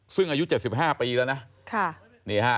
ซึ่งอายุ๗๕ปีแล้วนะ